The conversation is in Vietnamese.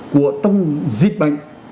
của trong dịch bệnh